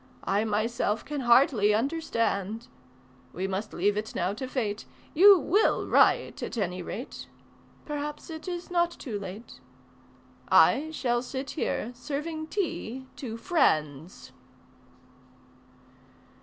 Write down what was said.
I myself can hardly understand. We must leave it now to fate. You will write, at any rate. Perhaps it is not too late. I shall sit here, serving tea to friends."